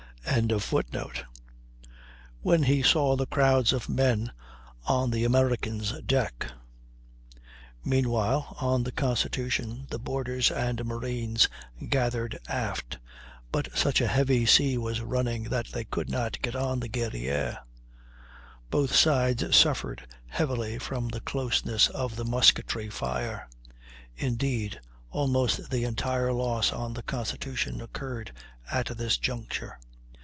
] when he saw the crowds of men on the American's decks. Meanwhile, on the Constitution, the boarders and marines gathered aft, but such a heavy sea was running that they could not get on the Guerrière. Both sides suffered heavily from the closeness of the musketry fire; indeed, almost the entire loss on the Constitution occurred at this juncture.